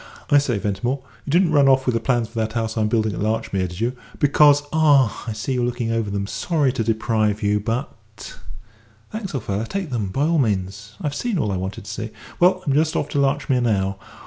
"I say, Ventimore, you didn't run off with the plans for that house I'm building at Larchmere, did you? Because ah, I see you're looking over them. Sorry to deprive you, but " "Thanks, old fellow, take them, by all means. I've seen all I wanted to see." "Well, I'm just off to Larchmere now.